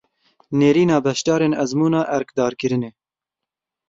Nêrîna beşdarên ezmûna erkdarkirinê.